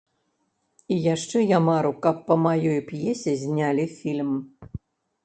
І яшчэ я мару, каб па маёй п'есе знялі фільм.